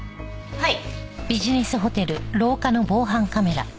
はい。